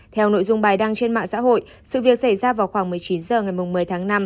theo nội dung bài đăng trên mạng xã hội sự việc xảy ra vào khoảng một mươi chín h ngày một mươi tháng năm